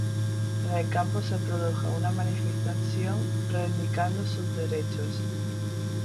En el campo se produjo una manifestación reivindicando sus derechos.